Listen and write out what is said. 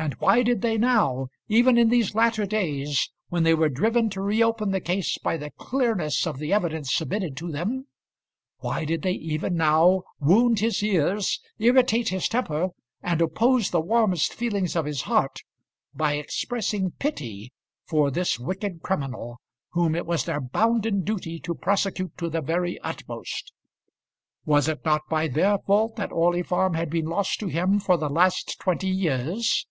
And why did they now, even in these latter days, when they were driven to reopen the case by the clearness of the evidence submitted to them, why did they even now wound his ears, irritate his temper, and oppose the warmest feelings of his heart by expressing pity for this wicked criminal, whom it was their bounden duty to prosecute to the very utmost? Was it not by their fault that Orley Farm had been lost to him for the last twenty years?